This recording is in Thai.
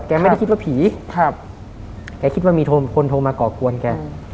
แกไม่ได้คิดว่าผีแกคิดว่ามีคนโทรมาเกาะกวนแก